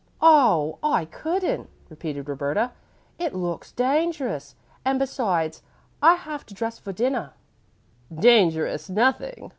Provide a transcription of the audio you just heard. "Oh, I couldn't," repeated Roberta. "It looks dangerous, and, besides, I have to dress for dinner." "Dangerous nothing!"